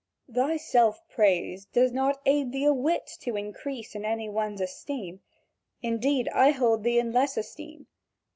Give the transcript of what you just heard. Thy self praise does not aid thee a whit to increase in any one's esteem; indeed, I hold thee in less esteem.